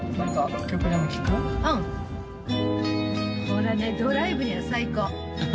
これねドライブには最高。